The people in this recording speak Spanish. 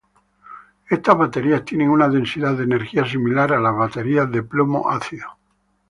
Estas baterías tienen una densidad de energía similar a las baterías de plomo-ácido.